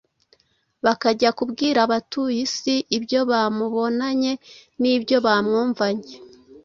bakajya kubwira abatuye isi ibyo bamubonanye n’ibyo bamwumvanye.